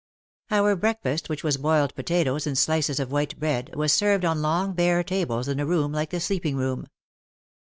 Our breakfast, which was boiled potatoes and slices of white bread, was served on long bare tables in a room like the sleeping room.